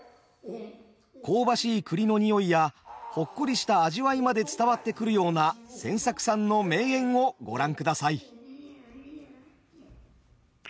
香ばしい栗の匂いやほっこりした味わいまで伝わってくるような千作さんの名演をご覧ください。